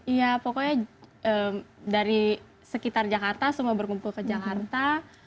iya pokoknya dari sekitar jakarta semua berkumpul ke jakarta